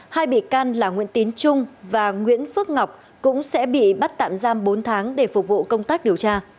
hai bị can là nguyễn tín trung và nguyễn phước ngọc cũng sẽ bị bắt tạm giam bốn tháng để phục vụ công tác điều tra